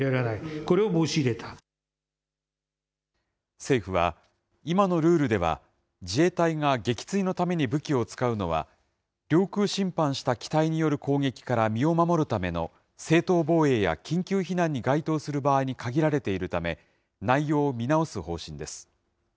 政府は、今のルールでは自衛隊が撃墜のために武器を使うのは、領空侵犯した機体による攻撃から身を守るための正当防衛や緊急避難に該当する場合に限られているため、内容を見直す方針です。